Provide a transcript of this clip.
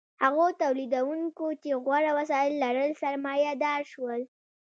هغو تولیدونکو چې غوره وسایل لرل سرمایه دار شول.